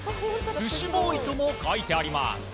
スシボーイとも書いてあります。